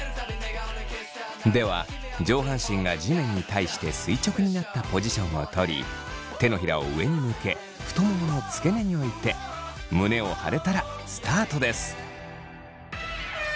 では上半身が地面に対して垂直になったポジションを取り手のひらを上に向け太ももの付け根に置いて胸を張れたらスタートです。